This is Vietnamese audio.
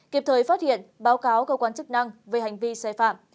kịp thời phát hiện báo cáo cơ quan chức năng về hành vi sai phạm